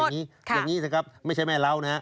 อย่างนี้สิครับไม่ใช่แม่เล่านะ